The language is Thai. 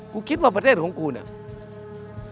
คิดว่าประเทศของกูเนี่ย